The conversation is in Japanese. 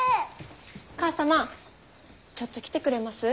母さまちょっと来てくれます？